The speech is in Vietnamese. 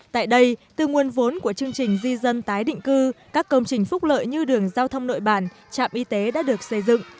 tại đây từ nguồn vốn của chương trình di dân tái định cư các công trình phúc lợi như đường giao thông nội bản trạm y tế đã được xây dựng